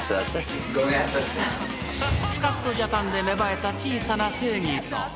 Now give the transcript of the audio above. ［『スカッとジャパン』で芽生えた小さな正義と］